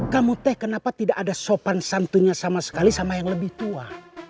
kamu teh kenapa tidak ada sopan santunya sama sekali sama yang lebih tua